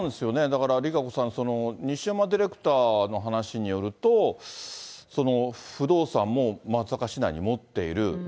だから、ＲＩＫＡＣＯさん、西山ディレクターの話によると、不動産も松阪市内に持っている。